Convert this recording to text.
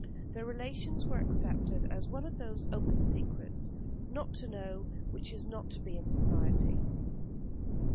Their relations were accepted as one of those open secrets, not to know which is not to be in Society.